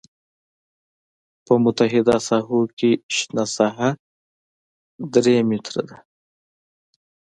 په محدودو ساحو کې شنه ساحه درې متره کیږي